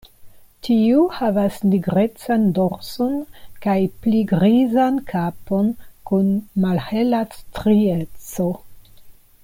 Tiu havas nigrecan dorson kaj pli grizan kapon kun malhela strieco.